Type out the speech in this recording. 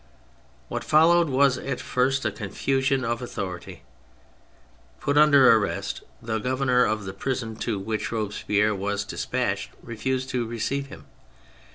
What followed was at first a confusion of authority; put under arrest, the governor of the prison to which Robespierre was dispatched refused to receive him.